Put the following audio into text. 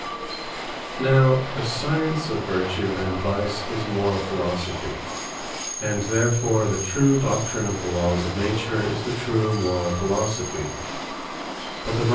Now the science of Vertue and Vice, is Morall Philosophie; and therfore the true Doctrine of the Lawes of Nature, is the true Morall Philosophie.